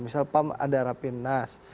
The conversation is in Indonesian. misal pan ada rapi nas